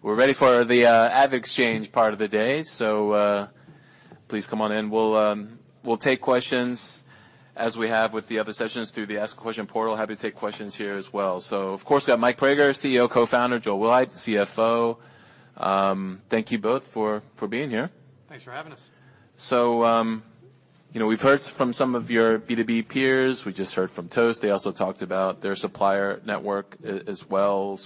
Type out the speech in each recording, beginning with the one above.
We're ready for the AvidXchange part of the day. Please come on in. We'll take questions as we have with the other sessions through the Ask Question portal. Happy to take questions here as well. Of course, we got Michael Praeger, CEO, Co-founder, Joel Wilhite, CFO. Thank you both for being here. Thanks for having us. You know, we've heard from some of your B2B peers, we just heard from Toast, they also talked about their supplier network as well.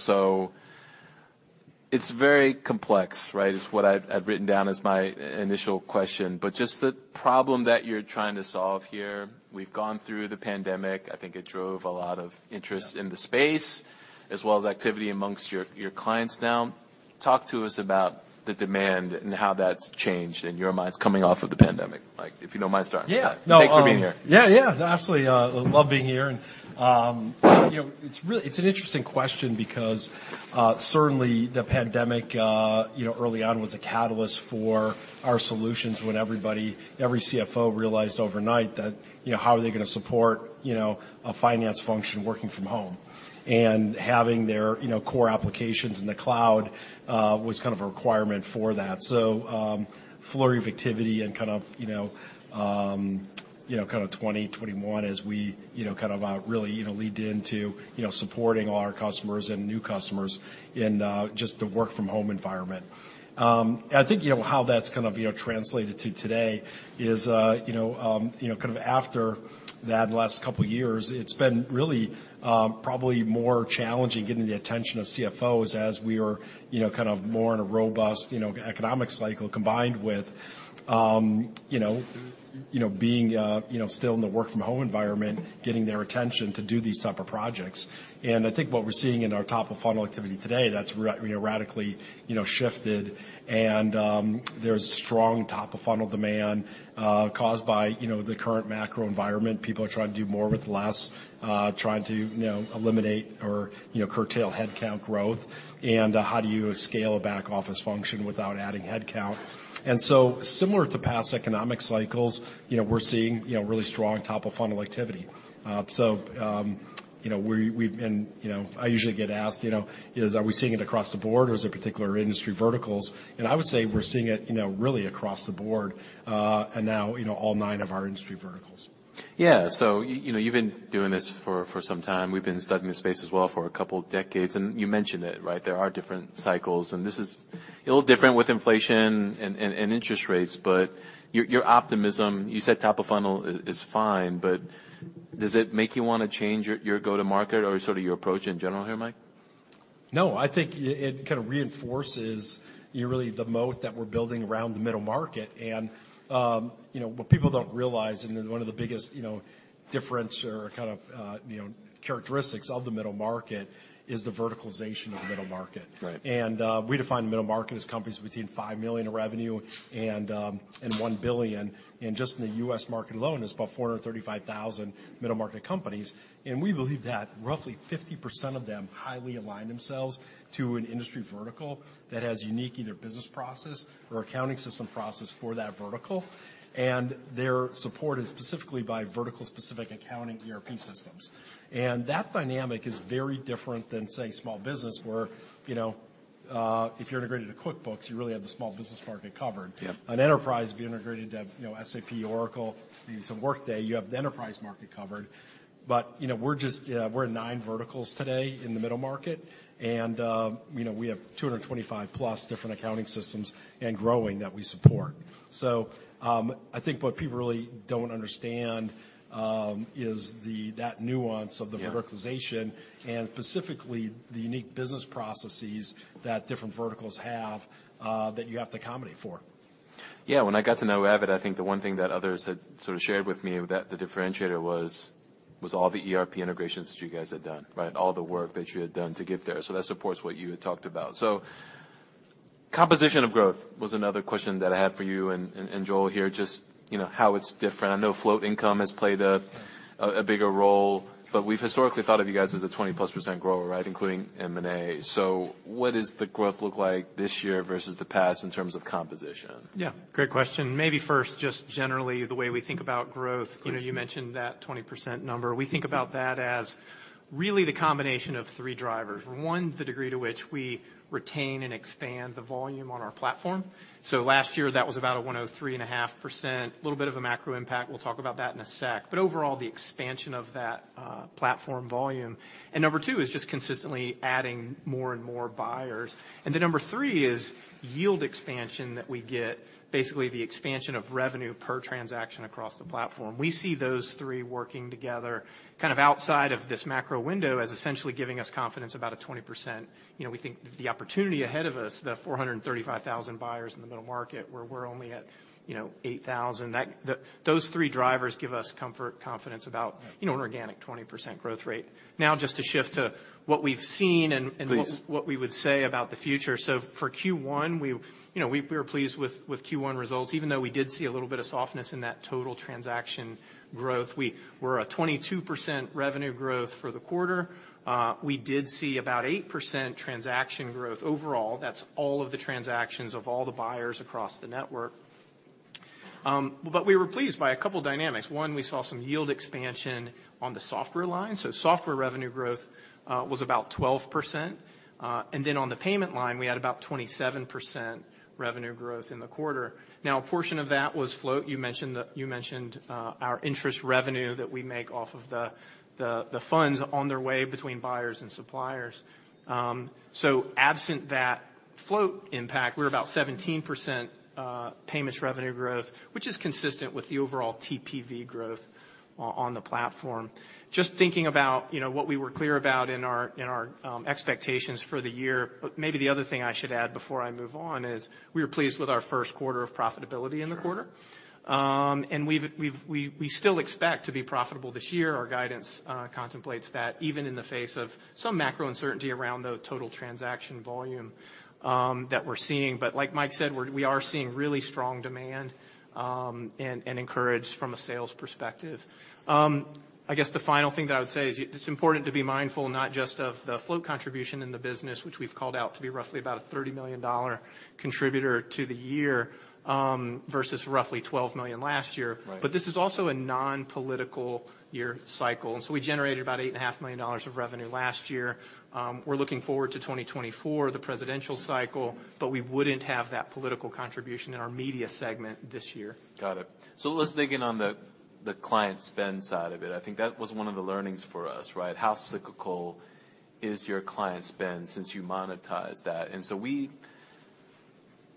It's very complex, right? Is what I've written down as my initial question, but just the problem that you're trying to solve here. We've gone through the pandemic, I think it drove a lot of interest. Yeah. In the space as well as activity amongst your clients now. Talk to us about the demand and how that's changed in your minds coming off of the pandemic. Mike, if you don't mind starting. Yeah. No. Thanks for being here. Yeah, yeah. Absolutely. Love being here. you know, it's really an interesting question because certainly the pandemic, you know, early on was a catalyst for our solutions when everybody, every CFO realized overnight that, you know, how are they gonna support, you know, a finance function working from home. Having their, you know, core applications in the cloud was kind of a requirement for that. flurry of activity and kind of, you know, you know, kind of 2020, 2021 as we, you know, kind of, really, you know, leaned into, you know, supporting all our customers and new customers in just the work from home environment. I think, you know, how that's kind of, you know, translated to today is, you know, kind of after that last couple of years, it's been really, probably more challenging getting the attention of CFOs as we are, you know, kind of more in a robust, you know, economic cycle combined with, you know, being, you know, still in the work from home environment, getting their attention to do these type of projects. I think what we're seeing in our top of funnel activity today, that's you know, radically, you know, shifted and, there's strong top of funnel demand, caused by, you know, the current macro environment. People are trying to do more with less, trying to, you know, eliminate or, you know, curtail headcount growth, and how do you scale a back-office function without adding headcount. Similar to past economic cycles, you know, we're seeing, you know, really strong top of funnel activity. You know, I usually get asked, you know, is are we seeing it across the board or is it particular industry verticals? I would say we're seeing it, you know, really across the board, and now, you know, all nine of our industry verticals. You know, you've been doing this for some time. We've been studying this space as well for a couple of decades, and you mentioned it, right? There are different cycles, and this is a little different with inflation and interest rates. Your optimism, you said top of funnel is fine, but does it make you wanna change your go-to-market or sort of your approach in general here, Mike? No, I think it kind of reinforces, you know, really the moat that we're building around the middle market. You know, what people don't realize, and one of the biggest, you know, difference or kind of, you know, characteristics of the middle market is the verticalization of the middle market. Right. We define the middle market as companies between $5 million in revenue and $1 billion. Just in the U.S. market alone, it's about 435,000 middle market companies. We believe that roughly 50% of them highly align themselves to an industry vertical that has unique either business process or accounting system process for that vertical. They're supported specifically by vertical specific accounting ERP systems. That dynamic is very different than, say, small business where, you know, if you're integrated to QuickBooks, you really have the small business market covered. Yeah. An enterprise, if you're integrated to, you know, SAP, Oracle, maybe some Workday, you have the enterprise market covered. you know, we're just, we're in nine verticals today in the middle market, and, you know, we have 225+ different accounting systems and growing that we support. I think what people really don't understand. Yeah. -verticalization and specifically the unique business processes that different verticals have, that you have to accommodate for. Yeah. When I got to know Avid, I think the one thing that others had sort of shared with me that the differentiator was all the ERP integrations that you guys had done. Right? All the work that you had done to get there. That supports what you had talked about. Composition of growth was another question that I had for you and Joel here, just, you know, how it's different. I know float income has played a bigger role, but we've historically thought of you guys as a +20% grower, right? Including M&A. What does the growth look like this year versus the past in terms of composition? Yeah, great question. Maybe first, just generally the way we think about growth. Please. You know, you mentioned that 20% number. We think about that as really the combination of 3 drivers. One, the degree to which we retain and expand the volume on our platform. Last year, that was about a 103.5%. A little bit of a macro impact. We'll talk about that in a sec. Overall, the expansion of that platform volume. Number 2 is just consistently adding more and more buyers. Number three is yield expansion that we get. Basically, the expansion of revenue per transaction across the platform. We see those three working together kind of outside of this macro window as essentially giving us confidence about a 20%. You know, we think the opportunity ahead of us, the 435,000 buyers in the middle market where we're only at, you know, 8,000. Those three drivers give us comfort, confidence about- Yeah. you know, an organic 20% growth rate. just to shift to what we've seen and. Please. What we would say about the future. For Q1, we, you know, we were pleased with Q1 results, even though we did see a little bit of softness in that total transaction growth. We were at 22% revenue growth for the quarter. We did see about 8% transaction growth overall. That's all of the transactions of all the buyers across the network. We were pleased by a couple dynamics. One, we saw some yield expansion on the software line. Software revenue growth was about 12%. On the payment line, we had about 27% revenue growth in the quarter. Now, a portion of that was float. You mentioned our interest revenue that we make off of the funds on their way between buyers and suppliers. Absent that float impact, we're about 17% payments revenue growth, which is consistent with the overall TPV growth on the platform. Just thinking about, you know, what we were clear about in our, in our, expectations for the year. Maybe the other thing I should add before I move on is we were pleased with our first quarter of profitability in the quarter. Sure. We still expect to be profitable this year. Our guidance contemplates that even in the face of some macro uncertainty around the total transaction volume that we're seeing. Like Mike said, we are seeing really strong demand and encouraged from a sales perspective. I guess the final thing that I would say is it's important to be mindful not just of the float contribution in the business, which we've called out to be roughly about a $30 million contributor to the year versus roughly $12 million last year. Right. This is also a non-political year cycle. We generated about eight and a half million dollars of revenue last year. We're looking forward to 2024, the presidential cycle, but we wouldn't have that political contribution in our media segment this yeah Got it. Let's dig in on the client spend side of it. I think that was one of the learnings for us, right? How cyclical is your client spend since you monetize that? We,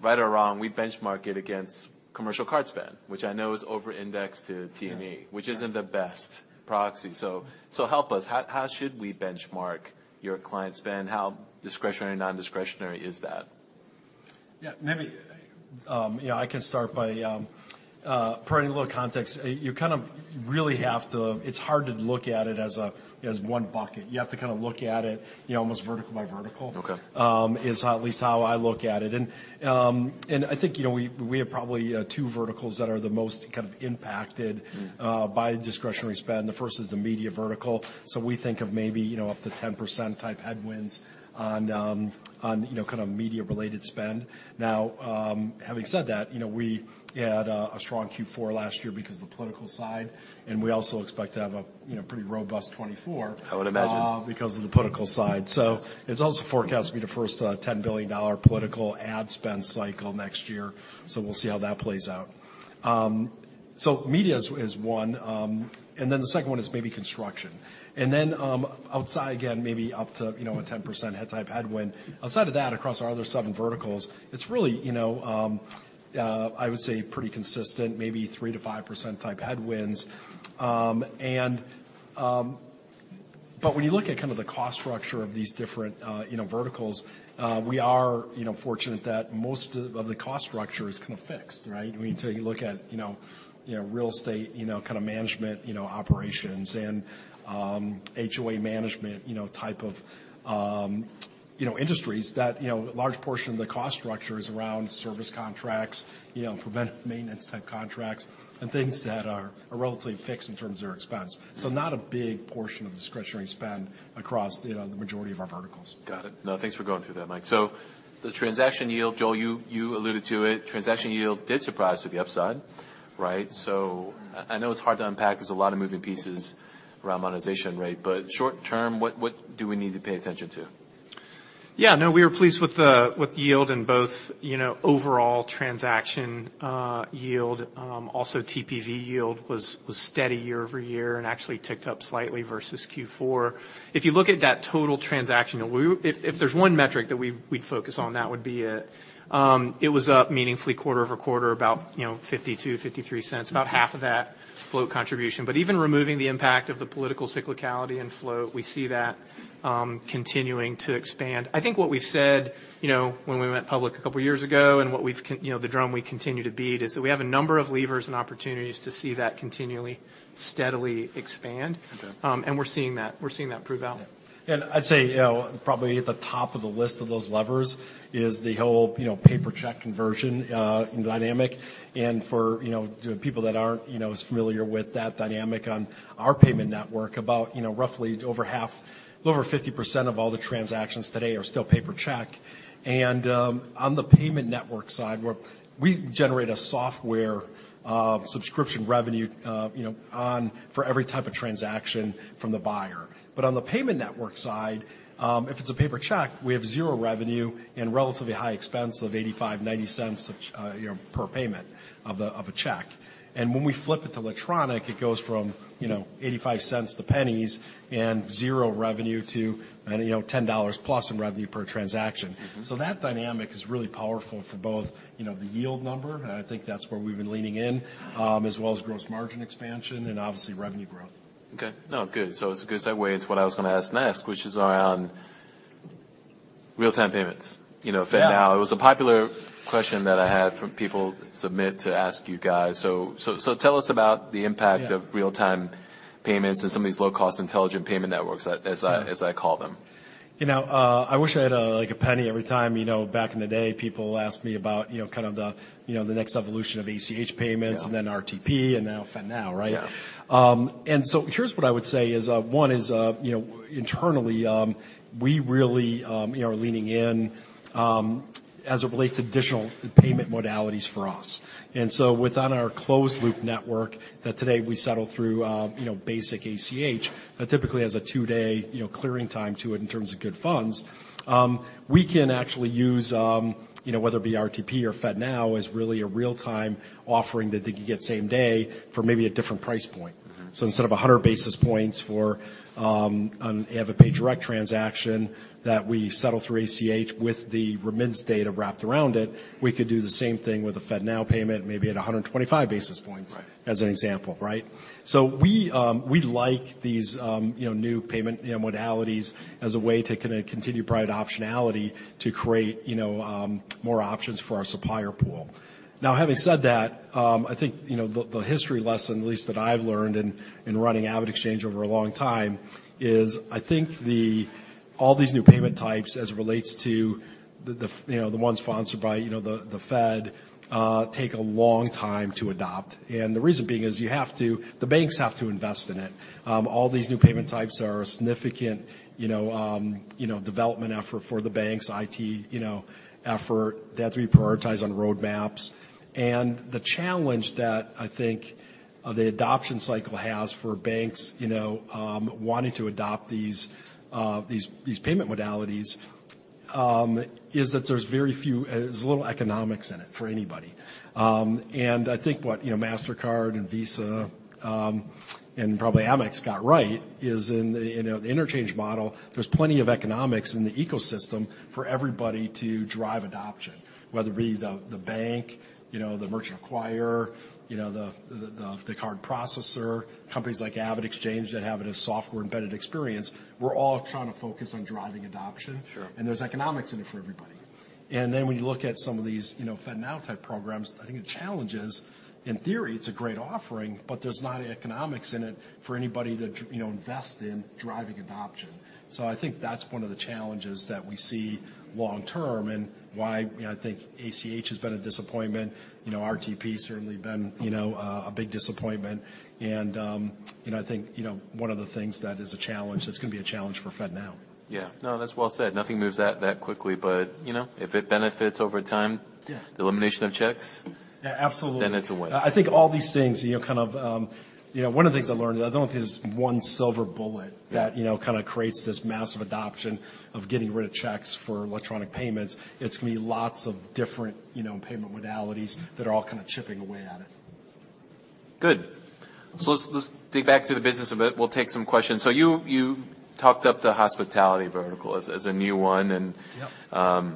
right or wrong, we benchmark it against commercial card spend, which I know is over-indexed to TMT. Yeah. which isn't the best proxy. Help us. How should we benchmark your client spend? How discretionary, non-discretionary is that? Maybe, you know, I can start by providing a little context. You kind of really have to. It's hard to look at it as one bucket. You have to kind of look at it, you know, almost vertical by vertical. Okay. is how, at least how I look at it. I think, you know, we have probably, two verticals that are the most kind of impacted. Mm. by discretionary spend. The first is the media vertical. We think of maybe, you know, up to 10% type headwinds on, you know, kind of media related spend. Having said that, you know, we had a strong Q4 last year because of the political side, we also expect to have a, you know, pretty robust 2024. I would imagine. because of the political side. Yes. It's also forecast to be the first, $10 billion political ad spend cycle next year. We'll see how that plays out. Media is one. Then the second one is maybe construction. Then, outside, again, maybe up to, you know, a 10% head type headwind. Outside of that, across our other seven verticals, it's really, you know, I would say pretty consistent, maybe 3%-5% type headwinds. When you look at kind of the cost structure of these different, you know, verticals, we are, you know, fortunate that most of the cost structure is kind of fixed, right? I mean, till you look at, you know, you know, real estate, you know, kind of management, you know, operations and HOA management, you know, type of, you know, industries that, you know, a large portion of the cost structure is around service contracts, you know, preventive maintenance type contracts and things that are relatively fixed in terms of their expense. Not a big portion of discretionary spend across, you know, the majority of our verticals. Got it. No, thanks for going through that, Mike. The transaction yield, Joel, you alluded to it, transaction yield did surprise to the upside, right? I know it's hard to unpack. There's a lot of moving pieces around monetization rate, but short-term, what do we need to pay attention to? Yeah. No, we were pleased with the, with the yield in both, you know, overall transaction yield. Also, TPV yield was steady year-over-year and actually ticked up slightly versus Q4. If you look at that total transaction, if there's one metric that we'd focus on, that would be it. It was up meaningfully quarter-over-quarter, about, you know, $0.52-$0.53, about half of that float contribution. Even removing the impact of the political cyclicality and float, we see that continuing to expand. I think what we've said, you know, when we went public a couple of years ago and what we've, you know, the drum we continue to beat is that we have a number of levers and opportunities to see that continually, steadily expand. Okay. We're seeing that. We're seeing that prove out. Yeah. I'd say, you know, probably at the top of the list of those levers is the whole, you know, paper check conversion dynamic. For, you know, people that aren't, you know, as familiar with that dynamic on our payment network, about, you know, roughly over 50% of all the transactions today are still paper check. On the payment network side, we generate a software subscription revenue, you know, for every type of transaction from the buyer. On the payment network side, if it's a paper check, we have zero revenue and relatively high expense of $0.85-$0.90, you know, per payment of a check. When we flip it to electronic, it goes from, you know, $0.85 to pennies and zero revenue to, you know, $10 plus in revenue per transaction. Mm-hmm. That dynamic is really powerful for both, you know, the yield number, and I think that's where we've been leaning in, as well as gross margin expansion and obviously revenue growth. Okay. No. Good. It's a good segue into what I was gonna ask next, which is around real-time payments. You know- Yeah. FedNow, it was a popular question that I had from people submit to ask you guys. Tell us about the impact. Yeah. of real-time payments and some of these low cost intelligent payment networks. Yeah. as I call them. You know, I wish I had, like $0.01 every time, you know, back in the day, people asked me about, you know, kind of the, you know, the next evolution of ACH payments. Yeah. Then RTP, and now FedNow, right? Yeah. Here's what I would say is, one is, you know, internally, we really are leaning in as it relates to additional payment modalities for us. Within our closed loop network that today we settle through, you know, basic ACH that typically has a two day, you know, clearing time to it in terms of good funds, we can actually use, whether it be RTP or FedNow as really a real-time offering that they could get same day for maybe a different price point. Mm-hmm. Instead of 100 basis points for, you have an AvidPay Direct transaction that we settle through ACH with the remittance data wrapped around it, we could do the same thing with a FedNow payment maybe at 125 basis points. Right. as an example, right? We, we like these, you know, new payment, you know, modalities as a way to kinda continue provide optionality to create, you know, more options for our supplier pool. Now having said that, I think, you know, the history lesson at least that I've learned in running AvidXchange over a long time, is I think the all these new payment types as it relates to the ones sponsored by, you know, the Fed, take a long time to adopt. The reason being is the banks have to invest in it. All these new payment types are a significant, you know, development effort for the banks' IT, you know, effort. They have to be prioritized on roadmaps. The challenge that I think of the adoption cycle has for banks, you know, wanting to adopt these payment modalities, is that there's very few... there's little economics in it for anybody. I think what, you know, Mastercard and Visa, and probably Amex got right is in the, you know, the interchange model, there's plenty of economics in the ecosystem for everybody to drive adoption, whether it be the bank, you know, the merchant acquirer, you know, the card processor, companies like AvidXchange that have a software embedded experience. We're all trying to focus on driving adoption. Sure. There's economics in it for everybody. When you look at some of these, you know, FedNow type programs, I think the challenge is, in theory it's a great offering, but there's not economics in it for anybody to, you know, invest in driving adoption. I think that's one of the challenges that we see long term and why, you know, I think ACH has been a disappointment. RTP certainly been, you know, a big disappointment and, you know, I think, you know, one of the things that is a challenge, that's gonna be a challenge for FedNow. Yeah. No, that's well said. Nothing moves that quickly but, you know, if it benefits over time- Yeah. the elimination of checks. Yeah, absolutely. It's a win. I think all these things, you know, kind of, you know, one of the things I learned, I don't think there's one silver bullet... Yeah. that, you know, kinda creates this massive adoption of getting rid of checks for electronic payments. It's gonna be lots of different, you know, payment modalities that are all kinda chipping away at it. Good. Let's dig back to the business a bit. We'll take some questions. You talked up the hospitality vertical as a new one. Yeah.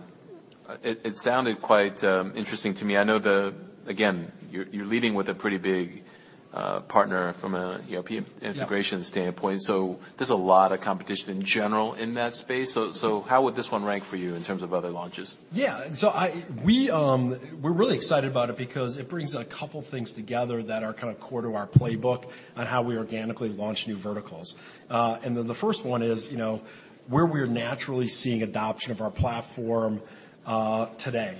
It sounded quite interesting to me. Again, you're leading with a pretty big partner from a, you know, integration standpoint. Yeah. There's a lot of competition in general in that space. How would this one rank for you in terms of other launches? Yeah. We're really excited about it because it brings a couple things together that are kinda core to our playbook on how we organically launch new verticals. The first one is, you know, where we're naturally seeing adoption of our platform today.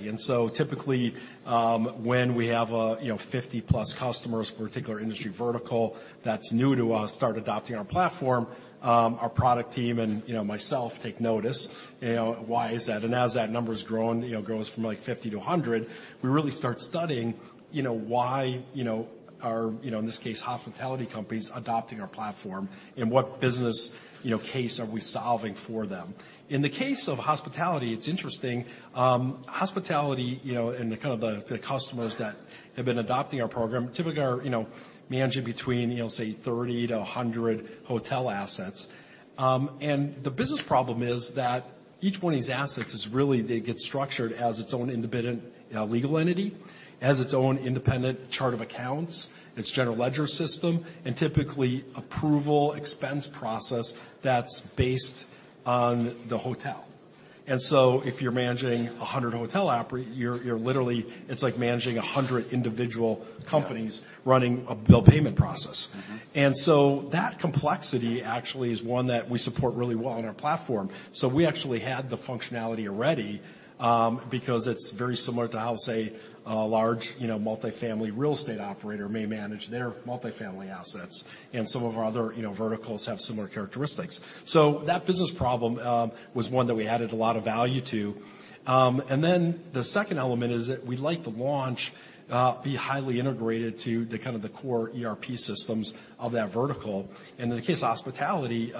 Typically, when we have a, you know, 50+ customers, particular industry vertical that's new to us, start adopting our platform, our product team and, you know, myself take notice, you know, why is that? As that number's grown, you know, grows from like 50-100, we really start studying, you know, why, you know, are, you know, in this case, hospitality companies adopting our platform and what business, you know, case are we solving for them. In the case of hospitality, it's interesting. hospitality, and the kind of the customers that have been adopting our program typically are managing between, say 30-100 hotel assets. The business problem is that each one of these assets is really they get structured as its own independent legal entity, has its own independent chart of accounts, its general ledger system, and typically approval expense process that's based on the hotel. If you're managing 100 hotel you're literally it's like managing 100 individual companies. Yeah. running a bill payment process. Mm-hmm. That complexity actually is one that we support really well on our platform. We actually had the functionality already, because it's very similar to how, say, a large, you know, multifamily real estate operator may manage their multifamily assets, and some of our other, you know, verticals have similar characteristics. That business problem was one that we added a lot of value to. The second element is that we'd like the launch be highly integrated to the kind of the core ERP systems of that vertical. In the case of hospitality,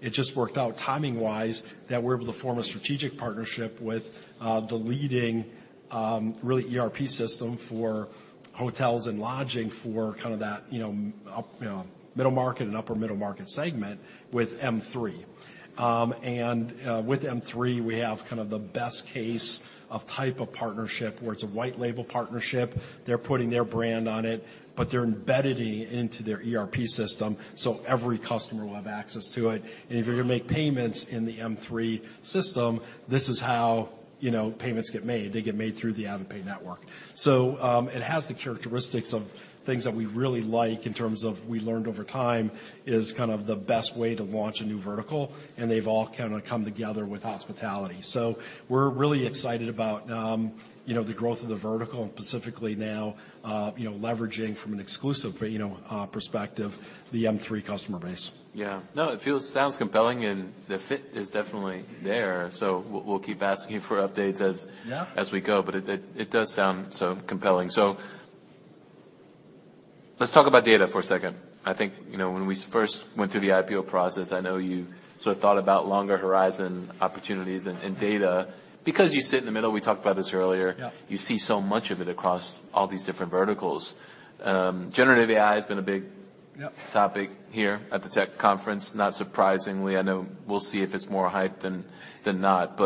it just worked out timing-wise that we're able to form a strategic partnership with the leading, really ERP system for hotels and lodging for kind of that, you know, up, you know, middle market and upper middle market segment with M3. With M3 we have kind of the best case of type of partnership where it's a white label partnership. They're putting their brand on it, but they're embedded into their ERP system, so every customer will have access to it. If you're gonna make payments in the M3 system, this is how, you know, payments get made. They get made through the AvidPay Network. It has the characteristics of things that we really like in terms of we learned over time is kind of the best way to launch a new vertical, and they've all kinda come together with hospitality. We're really excited about, You know, the growth of the vertical, and specifically now, you know, leveraging from an exclusive, you know, perspective, the M3 customer base. Yeah. No, it sounds compelling, and the fit is definitely there. We'll keep asking you for updates. Yeah... as we go. It does sound so compelling. Let's talk about data for a second. I think, you know, when we first went through the IPO process, I know you sort of thought about longer horizon opportunities and data because you sit in the middle, we talked about this earlier. Yeah. You see so much of it across all these different verticals. generative AI has been a big- Yep topic here at the tech conference, not surprisingly. I know we'll see if it's more hyped than not.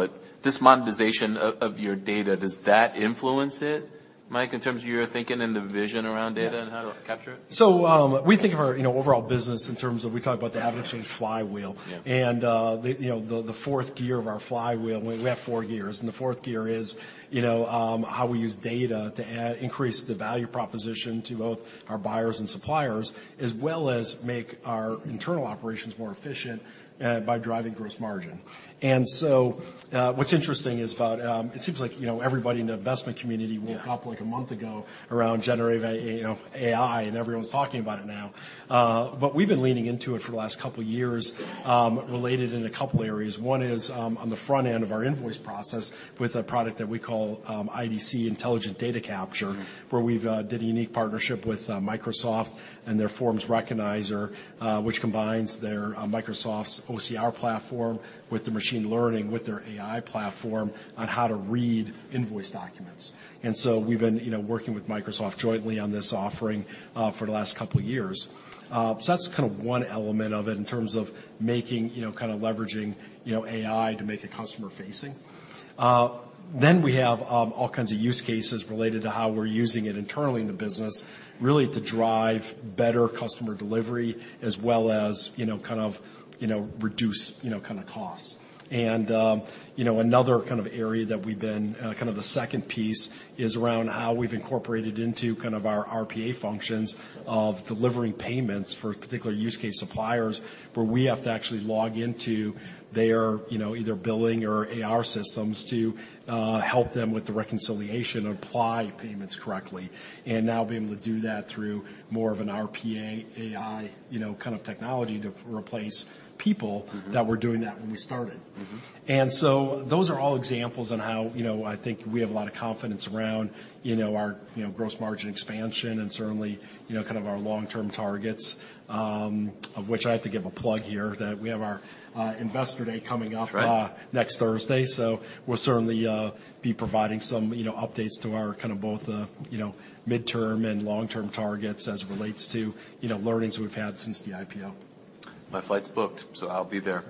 This monetization of your data, does that influence it, Mike, in terms of your thinking and the vision around data? Yeah... and how to capture it? We think of our, you know, overall business in terms of we talk about the AvidXchange Business Flywheel. Yeah. The fourth gear of our flywheel, and we have four gears, and the fourth gear is, you know, how we use data to add, increase the value proposition to both our buyers and suppliers, as well as make our internal operations more efficient, by driving gross margin. What's interesting is about, it seems like, you know, everybody in the investment community- Yeah woke up, like, a month ago around generative AI, you know, AI, and everyone's talking about it now. We've been leaning into it for the last couple years, related in a couple areas. One is, on the front end of our invoice process with a product that we call, IDC, Intelligent Data Capture- Mm-hmm where we've did a unique partnership with Microsoft and their Form Recognizer, which combines their Microsoft's OCR platform with the machine learning, with their AI platform on how to read invoice documents. We've been, you know, working with Microsoft jointly on this offering for the last two years. That's kind of one element of it in terms of making, you know, kind of leveraging, you know, AI to make it customer facing. We have all kinds of use cases related to how we're using it internally in the business, really to drive better customer delivery as well as, you know, kind of, you know, reduce, you know, kind of costs. You know, another kind of area that we've been, kind of the second piece is around how we've incorporated into kind of our RPA functions of delivering payments for particular use case suppliers, where we have to actually log into their, you know, either billing or AR systems to help them with the reconciliation, apply payments correctly. Now being able to do that through more of an RPA, AI, you know, kind of technology to replace people- Mm-hmm... that were doing that when we started. Mm-hmm. Those are all examples on how, you know, I think we have a lot of confidence around, you know, our, you know, gross margin expansion and certainly, you know, kind of our long-term targets, of which I have to give a plug here that we have our investor day coming up. That's right. next Thursday. We'll certainly be providing some, you know, updates to our kind of both, you know, midterm and long-term targets as it relates to, you know, learnings we've had since the IPO. My flight's booked, so I'll be there.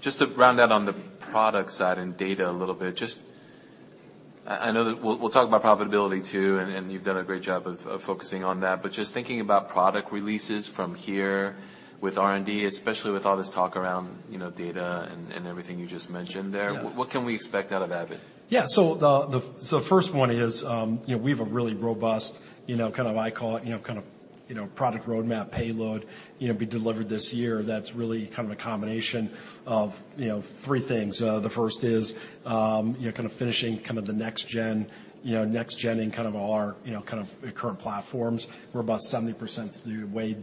Just to round out on the product side and data a little bit. I know that we'll talk about profitability too, and you've done a great job of focusing on that. Just thinking about product releases from here with R&D, especially with all this talk around, you know, data and everything you just mentioned there. Yeah. What can we expect out of Avid? Yeah. The first one is, you know, we have a really robust, you know, kind of I call it, you know, kind of, you know, product roadmap payload, you know, be delivered this year that's really kind of a combination of, you know, three things. The first is, you know, kind of finishing kind of the next gen, you know, next genning kind of all our, you know, kind of current platforms. We're about 70% through, way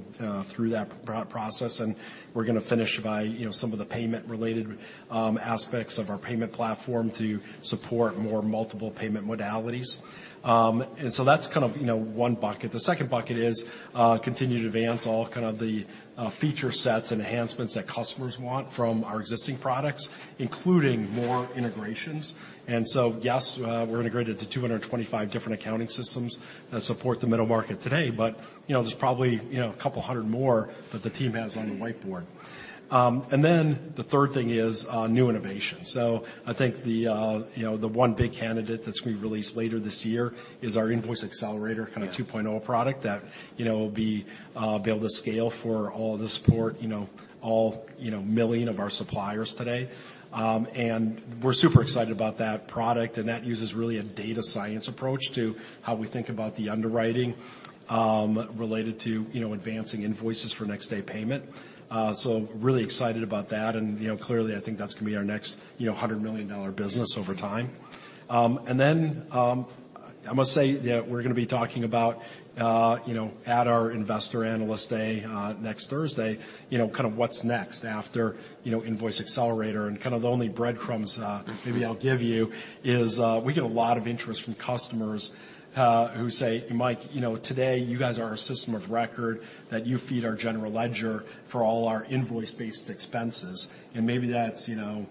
through that process, and we're gonna finish by, you know, some of the payment related aspects of our payment platform to support more multiple payment modalities. That's kind of, you know, 1 bucket. The second bucket is, continue to advance all kind of the, feature sets and enhancements that customers want from our existing products, including more integrations. Yes, we're integrated to 225 different accounting systems that support the middle market today, but, you know, there's probably, you know, a couple hundred more that the team has on the whiteboard. The third thing is new innovation. I think the, you know, the one big candidate that's gonna be released later this year is our Invoice Accelerator- Yeah kind of 2.0 product that, you know, will be able to scale for all the support, you know, all, you know, million of our suppliers today. We're super excited about that product, and that uses really a data science approach to how we think about the underwriting, related to, you know, advancing invoices for next day payment. Really excited about that. Clearly, I think that's gonna be our next, you know, $100 million business over time. I must say, yeah, we're gonna be talking about, you know, at our investor analyst day, next Thursday, you know, kind of what's next after, you know, Invoice Accelerator. Kind of the only breadcrumbs, maybe I'll give you is, we get a lot of interest from customers, who say, "Mike, you know, today you guys are our system of record, that you feed our general ledger for all our invoice-based expenses. Maybe that's, you know,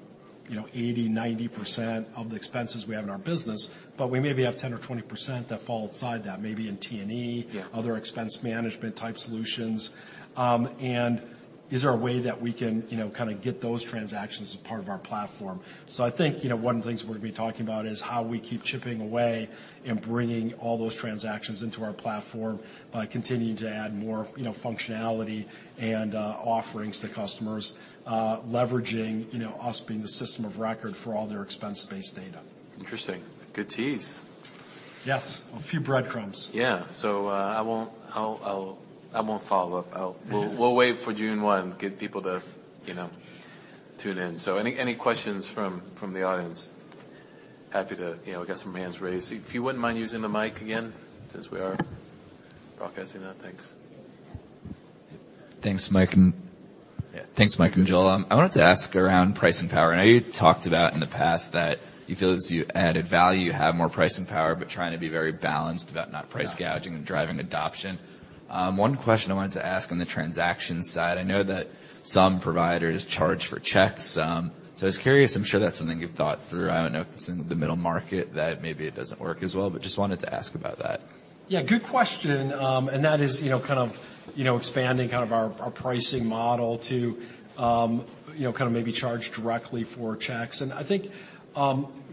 80%-90% of the expenses we have in our business, but we maybe have 10% or 20% that fall outside that, maybe in T&E- Yeah other expense management type solutions. Is there a way that we can, you know, kind of get those transactions as part of our platform? I think, you know, one of the things we're gonna be talking about is how we keep chipping away and bringing all those transactions into our platform by continuing to add more, you know, functionality and offerings to customers, leveraging, you know, us being the system of record for all their expense-based data. Interesting. Good tease. Yes, a few breadcrumbs. Yeah. I won't follow up. We'll wait for 1st June, get people to, you know, tune in. Any questions from the audience? Happy to. You know, we got some hands raised. If you wouldn't mind using the mic again since we are broadcasting that. Thanks. Thanks, Mike. Yeah. Thanks, Mike and Joel. I wanted to ask around pricing power. I know you talked about in the past that you feel as you added value, you have more pricing power, but trying to be very balanced about not price gouging and driving adoption. One question I wanted to ask on the transaction side, I know that some providers charge for checks, so I was curious, I'm sure that's something you've thought through. I don't know if it's in the middle market that maybe it doesn't work as well, but just wanted to ask about that. Yeah, good question. That is, you know, kind of, you know, expanding kind of our pricing model to, you know, kind of maybe charge directly for checks. I think,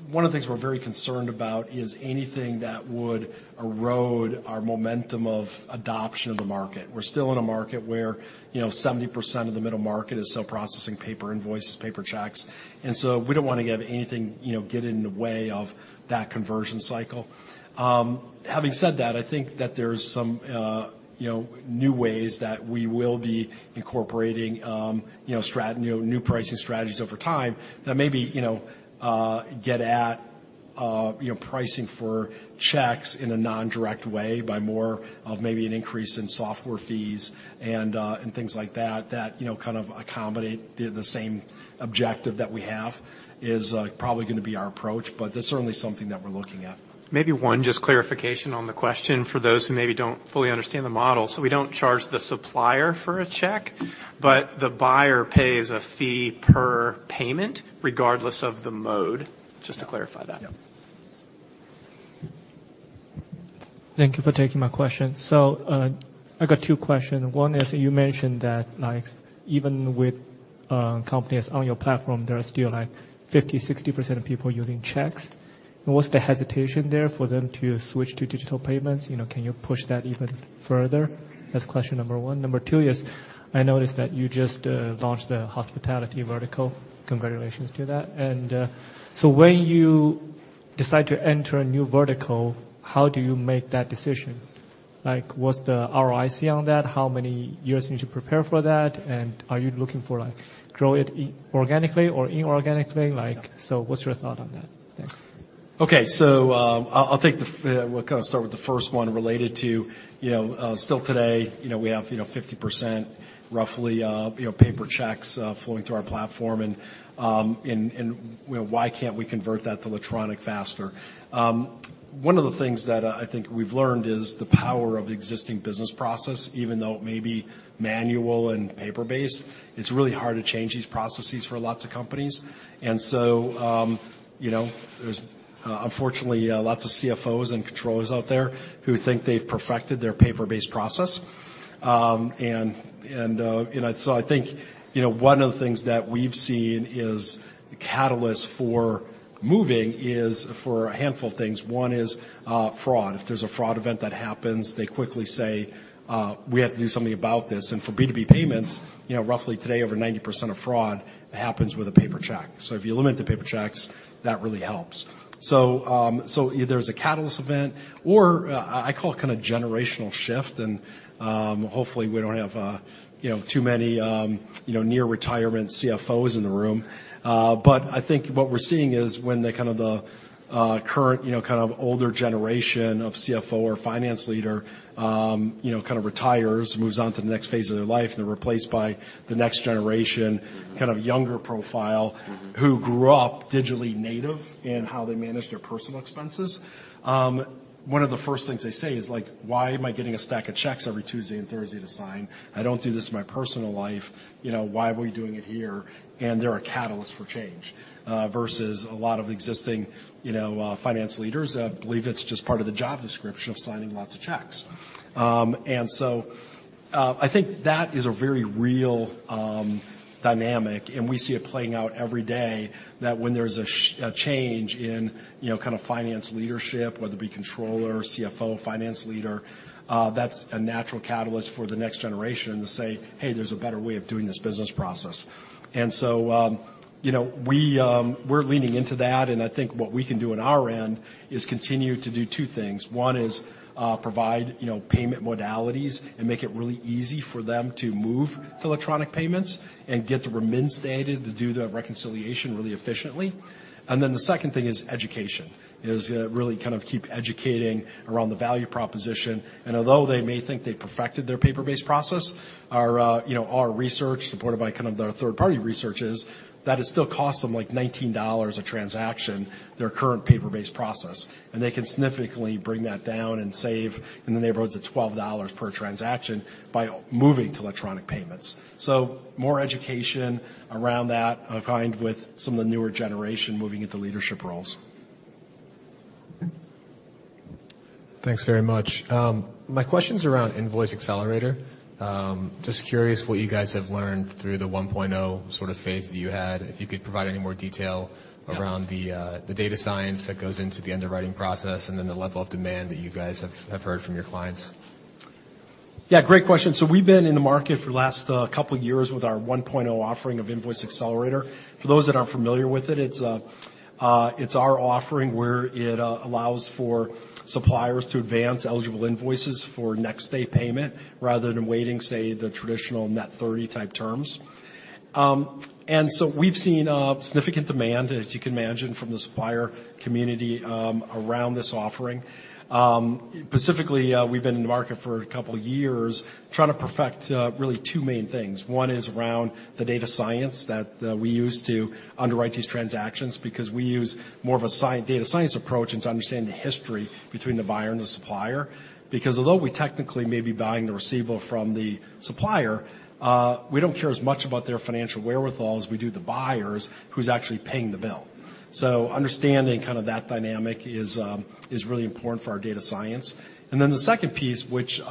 one of the things we're very concerned about is anything that would erode our momentum of adoption of the market. We're still in a market where, you know, 70% of the middle market is still processing paper invoices, paper checks, we don't want to give anything, you know, get in the way of that conversion cycle. Having said that, I think that there's some, you know, new ways that we will be incorporating, you know, new pricing strategies over time that maybe, you know, get at, you know, pricing for checks in a non-direct way by more of maybe an increase in software fees and things like that, you know, kind of accommodate the same objective that we have is probably gonna be our approach, but that's certainly something that we're looking at. Maybe one just clarification on the question for those who maybe don't fully understand the model. We don't charge the supplier for a check, but the buyer pays a fee per payment regardless of the mode. Just to clarify that. Yeah. Thank you for taking my question. I got two questions. One is you mentioned that, like, even with companies on your platform, there are still like 50%, 60% of people using checks. What's the hesitation there for them to switch to digital payments? You know, can you push that even further? That's question number one. Number one is, I noticed that you just launched the hospitality vertical. Congratulations to that. So when you decide to enter a new vertical, how do you make that decision? Like, what's the ROI see on that? How many years need to prepare for that, and are you looking for, like, grow it organically or inorganically? Like. Yeah. What's your thought on that? Thanks. Okay. I'll take the. We'll kinda start with the first one related to, still today, we have 50% roughly paper checks flowing through our platform and why can't we convert that to electronic faster? One of the things that I think we've learned is the power of existing business process, even though it may be manual and paper-based, it's really hard to change these processes for lots of companies. There's unfortunately lots of CFOs and controllers out there who think they've perfected their paper-based process. I think one of the things that we've seen is the catalyst for moving is for a handful of things. One is fraud. If there's a fraud event that happens, they quickly say, "We have to do something about this." For B2B payments, you know, roughly today, over 90% of fraud happens with a paper check. If you eliminate the paper checks, that really helps. Either it's a catalyst event or I call it kinda generational shift and hopefully, we don't have, you know, too many, you know, near retirement CFOs in the room. I think what we're seeing is when the kind of the current, you know, kind of older generation of CFO or finance leader, you know, kind of retires, moves on to the next phase of their life, and they're replaced by the next generation. Mm-hmm kind of younger profile- Mm-hmm who grew up digitally native in how they manage their personal expenses, one of the first things they say is, like, "Why am I getting a stack of checks every Tuesday and Thursday to sign? I don't do this in my personal life. You know, why are we doing it here?" They're a catalyst for change, versus a lot of existing, you know, finance leaders, believe it's just part of the job description of signing lots of checks. I think that is a very real dynamic, and we see it playing out every day, that when there's a change in, you know, kind of finance leadership, whether it be controller, CFO, finance leader, that's a natural catalyst for the next generation to say, "Hey, there's a better way of doing this business process." you know, we're leaning into that, and I think what we can do on our end is continue to do two things. One is, provide, you know, payment modalities and make it really easy for them to move to electronic payments and get the remitted data to do the reconciliation really efficiently. The second thing is education, is really kind of keep educating around the value proposition. Although they may think they perfected their paper-based process, our, you know, our research, supported by kind of the third-party research, that it still costs them, like $19 a transaction, their current paper-based process. They can significantly bring that down and save in the neighborhoods of $12 per transaction by moving to electronic payments. More education around that, combined with some of the newer generation moving into leadership roles. Thanks very much. My question's around Invoice Accelerator. Just curious what you guys have learned through the 1.0 sort of phase that you had, if you could provide any more detail. Yeah around the data science that goes into the underwriting process and then the level of demand that you guys have heard from your clients. Yeah, great question. We've been in the market for the last two years with our 1.0 offering of Invoice Accelerator. For those that aren't familiar with it's our offering where it allows for suppliers to advance eligible invoices for next-day payment rather than waiting, say, the traditional net 30-type terms. We've seen significant demand, as you can imagine, from the supplier community around this offering. Specifically, we've been in the market for two years trying to perfect really two main things. One is around the data science that we use to underwrite these transactions, because we use more of a data science approach into understanding the history between the buyer and the supplier. Although we technically may be buying the receivable from the supplier, we don't care as much about their financial wherewithal as we do the buyers who's actually paying the bill. Understanding kind of that dynamic is really important for our data science. The second piece, which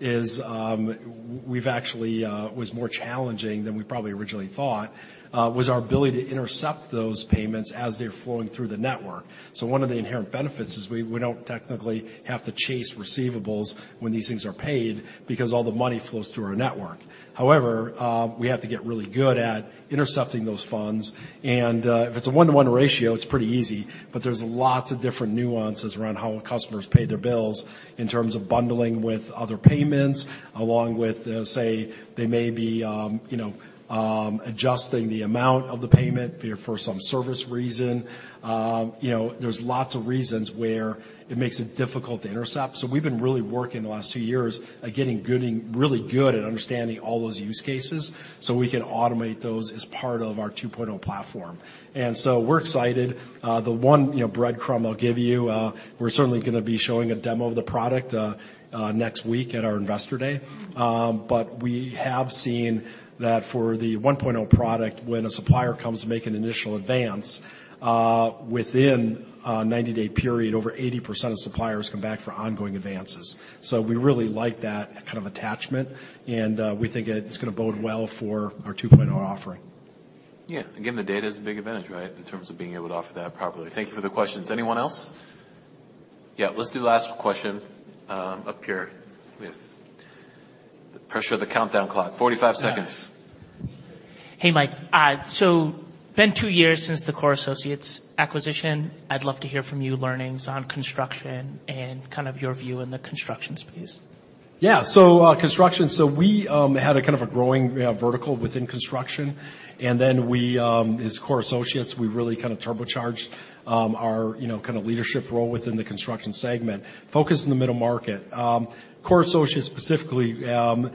is, we've actually was more challenging than we probably originally thought, was our ability to intercept those payments as they're flowing through the network. One of the inherent benefits is we don't technically have to chase receivables when these things are paid because all the money flows through our network. However, we have to get really good at intercepting those funds and, if it's a one-to-one ratio, it's pretty easy, but there's lots of different nuances around how customers pay their bills in terms of bundling with other payments, along with, say, they may be, you know, adjusting the amount of the payment for some service reason. You know, there's lots of reasons where it makes it difficult to intercept. We've been really working the last two years at getting really good at understanding all those use cases, so we can automate those as part of our 2.0 platform. We're excited. The one, you know, breadcrumb I'll give you, we're certainly gonna be showing a demo of the product, next week at our Investor Day. We have seen that for the 1.0 product, when a supplier comes to make an initial advance, within a 90-day period, over 80% of suppliers come back for ongoing advances. We really like that kind of attachment, and, we think it's gonna bode well for our 2.0 offering. Yeah. Again, the data is a big advantage, right? In terms of being able to offer that properly. Thank you for the questions. Anyone else? Yeah. Let's do last question, up here. We have the pressure of the countdown clock. 45 seconds. Hey, Mike. Been two years since the Core Associates acquisition. I'd love to hear from you learnings on construction and kind of your view in the construction space. Yeah. Construction. We had a kind of a growing vertical within construction, and then we, as Core Associates, we really kind of turbocharged our, you know, kind of leadership role within the construction segment, focused in the middle market. Core Associates specifically had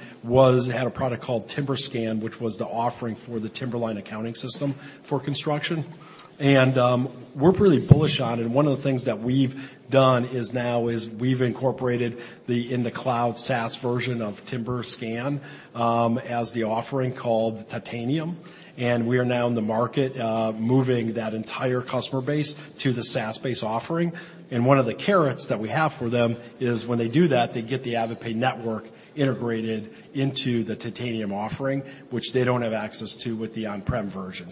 a product called TimberScan, which was the offering for the Timberline accounting system for construction. We're really bullish on it. One of the things that we've done is now is we've incorporated the in-the-cloud SaaS version of TimberScan as the offering called Titanium. We are now in the market moving that entire customer base to the SaaS-based offering. One of the carrots that we have for them is when they do that, they get the AvidPay network integrated into the Titanium offering, which they don't have access to with the on-prem version.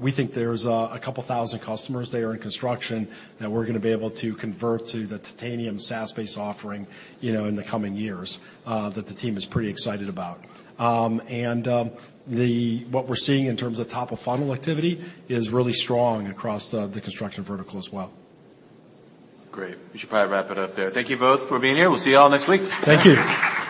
We think there's 2,000 customers there in construction that we're gonna be able to convert to the Titanium SaaS-based offering, you know, in the coming years, that the team is pretty excited about. What we're seeing in terms of top-of-funnel activity is really strong across the construction vertical as well. Great. We should probably wrap it up there. Thank you both for being here. We'll see you all next week. Thank you.